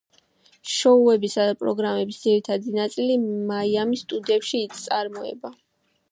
შოუებისა და პროგრამების ძირითადი ნაწილი მაიამის სტუდიებში იწარმოება.